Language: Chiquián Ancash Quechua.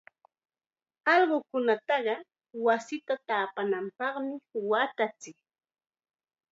Allqutaqa wasita taapananpaqmi waatanchik.